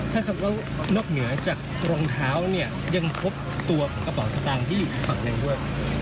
ใช่ครับแล้วนอกเหนือจากรองเท้าเนี่ยยังพบตัวของกระเป๋าสตางค์ที่อยู่อีกฝั่งหนึ่งด้วย